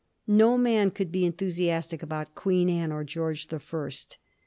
No man could be enthusiastic about Queen Anne or George the First.